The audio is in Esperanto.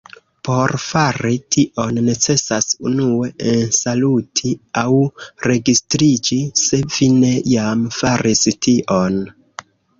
Por fari tion necesas unue ensaluti aŭ registriĝi, se vi ne jam faris tion.